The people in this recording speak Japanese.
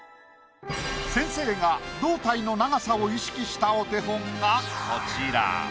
先生が胴体の長さを意識したお手本がこちら。